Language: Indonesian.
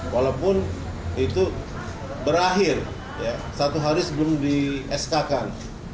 walaupun itu berakhir satu hari sebelum di sk kan